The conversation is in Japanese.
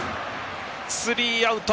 スリーアウト。